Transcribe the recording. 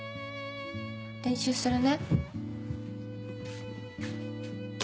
練習するね。